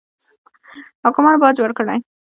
حاکمانو باج ورکړي.